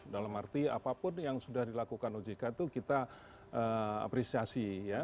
dalam arti apapun yang sudah dilakukan ojk itu kita apresiasi ya